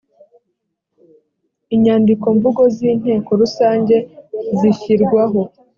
inyandiko mvugo z inteko rusange zishyirwaho